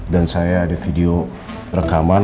dan saya ada video rekaman